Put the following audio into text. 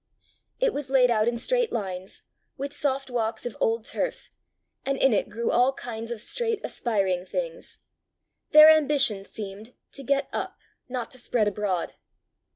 It was laid out in straight lines, with soft walks of old turf, and in it grew all kinds of straight aspiring things: their ambition seemed to get up, not to spread abroad.